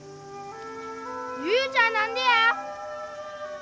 雄ちゃん何でや？